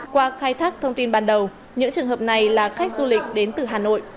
qua khai thác thông tin ban đầu những trường hợp này là khách du lịch đến từ hà nội